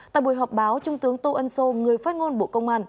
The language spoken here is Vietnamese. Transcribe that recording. tại buổi họp báo trung tướng tô ân sô người phát ngôn bộ công an